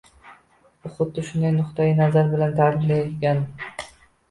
U xuddi shunday nuqtai nazar bilan tarbiyalangan.